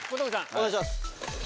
お願いします。